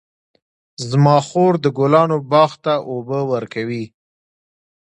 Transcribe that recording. زما خور د ګلانو باغ ته اوبه ورکوي.